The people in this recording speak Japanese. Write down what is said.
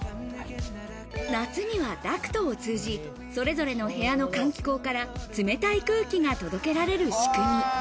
夏にはダクトを通じ、それぞれの部屋の換気口から冷たい空気が届けられる仕組み。